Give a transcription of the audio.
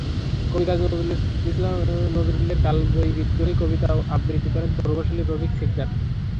কবি কাজী নজরুলের কালজয়ী বিদ্রোহী কবিতা আবৃতি করেন প্রকৌশলী রফিক সিকদার।